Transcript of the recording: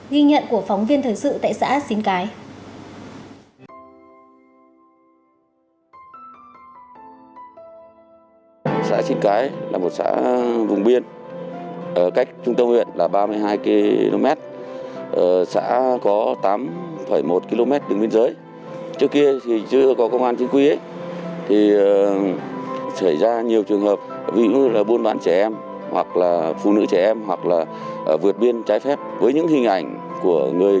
ghi nhận của phóng viên thời sự tại xã xín cái